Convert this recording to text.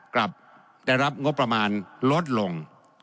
กลับได้รับงบประมาณลดลง